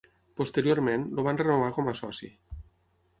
Posteriorment, el van renovar com a soci.